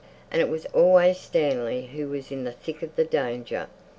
And it was always Stanley who was in the thick of the danger.